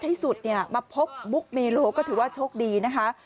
ที่สุดเนี่ยมาพบมุกเมโลก็ถือว่าโชคดีนะคะ